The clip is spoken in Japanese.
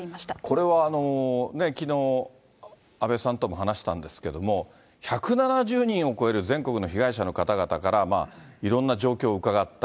これはきのう、阿部さんとも話したんですけども、１７０人を超える全国の被害者の方々から、いろんな状況を伺った。